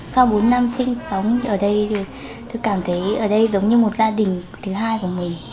sau bốn năm sinh sống ở đây thì tôi cảm thấy ở đây giống như một gia đình thứ hai của mình